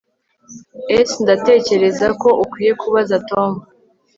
S Ndatekereza ko ukwiye kubaza Tom